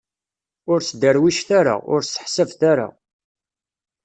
Ur sderwicet ara, ur sseḥsabet ara.